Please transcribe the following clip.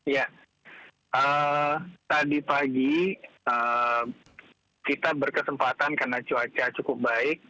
ya tadi pagi kita berkesempatan karena cuaca cukup baik